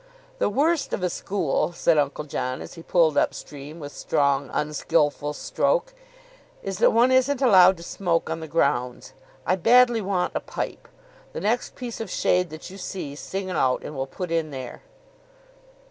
"The worst of a school," said Uncle John, as he pulled up stream with strong, unskilful stroke, "is that one isn't allowed to smoke on the grounds. I badly want a pipe. The next piece of shade that you see, sing out, and we'll put in there."